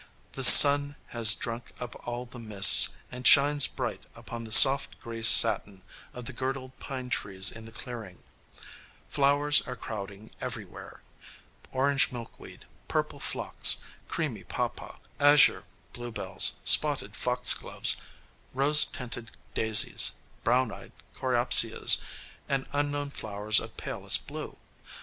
The sun has drunk up all the mists, and shines bright upon the soft gray satin of the girdled pine trees in the clearing; flowers are crowding everywhere orange milkweed, purple phlox, creamy pawpaw, azure bluebells, spotted foxgloves, rose tinted daisies, brown eyed coreopsias and unknown flowers of palest blue.